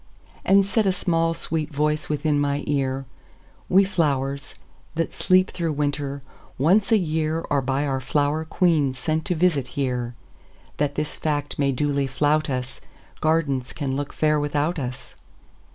And said a small, sweet voice within my ear:"We flowers, that sleep through winter, once a yearAre by our flower queen sent to visit here, That this fact may duly flout us,—Gardens can look fair without us.